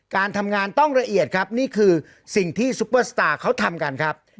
การทำงานต้องละเอียดครับนี่คือสิ่งที่ซุปเปอร์สตาร์เขาทำกันครับ